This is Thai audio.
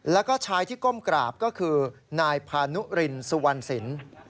แล้วก็ชายที่ก้มกราบก็คือนายพานุรินสุวรรณสิน